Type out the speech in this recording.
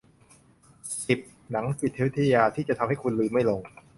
สิบ หนังจิตวิทยา ที่จะทำให้คุณลืมไม่ลง